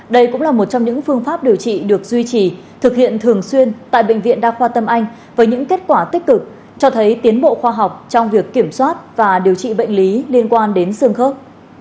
đây cũng là một trong những phương pháp điều trị được duy trì thực hiện thường xuyên tại bệnh viện đa khoa tâm anh với những kết quả tích cực cho thấy tiến bộ khoa học trong việc kiểm soát và điều trị bệnh lý liên quan đến xương khớp